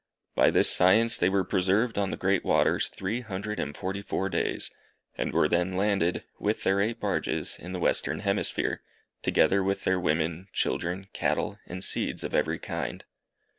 By this science they were preserved on the great waters three hundred and forty four days, and were then landed, with their eight barges, in the western hemisphere, together with their women, children, cattle, and seeds of every kind.